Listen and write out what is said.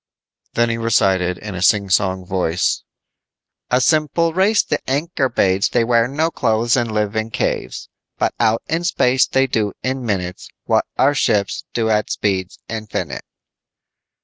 Then he recited in a singsong voice: "A simple race the Ankorbades They wear no clothes and live in caves But out in space they do in minutes What our ships do at speeds infinite."